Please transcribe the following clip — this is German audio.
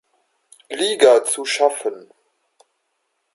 Liga zu schaffen.